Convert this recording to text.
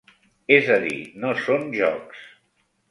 És a dir, no són jocs.